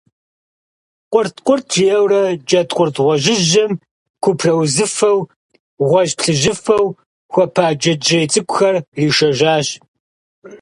Къурт–къурт, жиӀэурэ джэдкъурт гъуэжьыжьым купраузыфэу, гъуэжь–плъыжьыфэу хуэпа джэджьей цӀыкӀухэр иришэжьащ.